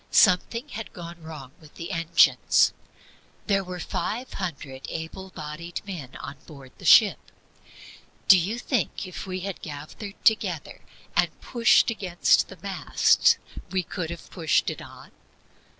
Something had gone wrong with the engines. There were five hundred able bodied men on board the ship. Do you think that if we had gathered together and pushed against the mast we could have pushed it on?